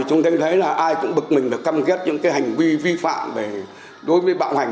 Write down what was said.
chúng tôi thấy là ai cũng bực mình và căm ghét những hành vi vi phạm đối với bạo hành